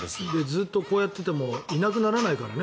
ずっとこうやっていてもいなくならないからね